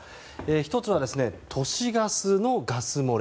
１つは、都市ガスのガス漏れ。